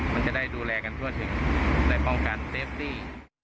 มันจะได้ดูแลกันทั่วถึงได้ป้องกันเซฟตี้